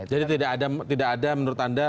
jadi tidak ada menurut anda